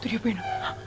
tuh dia bu ena